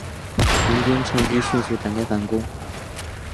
红军乘机迅速展开反攻。